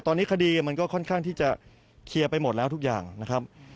ตอนนี้คดีมันก็ค่อนข้างที่จะเคลียร์ไปหมดแล้วทุกอย่างนะครับ